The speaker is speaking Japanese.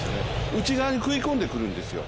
内側に食い込んでくるんですよ。